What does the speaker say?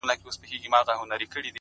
يوه د ميني زنده گي راوړي!